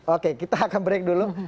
oke kita akan break dulu